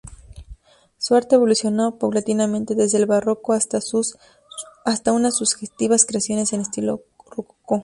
Su arte evolucionó paulatinamente desde el barroco hasta unas sugestivas creaciones en estilo rococó.